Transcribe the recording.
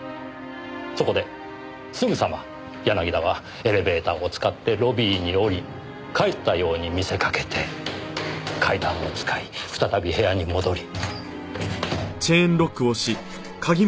そこですぐさま柳田はエレベーターを使ってロビーに降り帰ったように見せかけて階段を使い再び部屋に戻り。